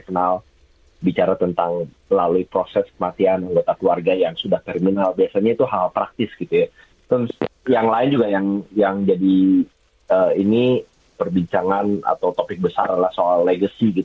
karena penampilannya mengatakan bahwa